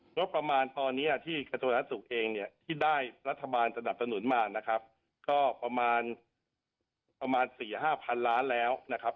เพราะประมาณตอนนี้ที่สาธารณสุขเองเนี่ยที่ได้รัฐบาลจะดับสนุนมานะครับก็ประมาณ๔๕พันล้านแล้วนะครับ